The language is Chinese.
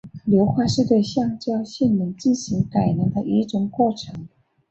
硫化是对橡胶性能进行改良的一种过程。